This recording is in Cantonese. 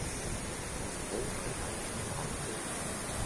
唔好等第時後悔